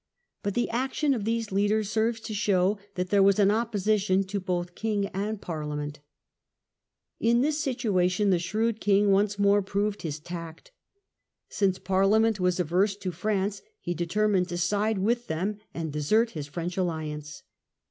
But the action of these leaders serves to show that there was an opposi tion to both king and Parliament In this situation the shrewd king once more proved his tact Since Parliament was averse to France he The king's determined to side with them and desert his change of French alliance.